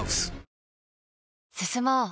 進もう。